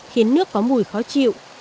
khiến nước có mùi khó chịu